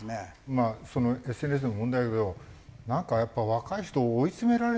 まあＳＮＳも問題だけどなんかやっぱり若い人追い詰められてる感じもするよね。